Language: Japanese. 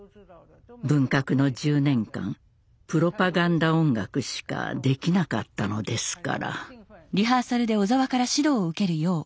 文革の１０年間プロパガンダ音楽しかできなかったのですから。